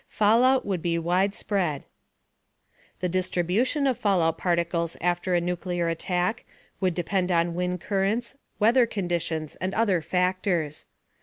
FALLOUT WOULD BE WIDESPREAD The distribution of fallout particles after a nuclear attack would depend on wind currents, weather conditions and other factors.